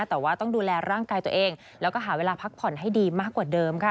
แต่ว่าต้องดูแลร่างกายตัวเองแล้วก็หาเวลาพักผ่อนให้ดีมากกว่าเดิมค่ะ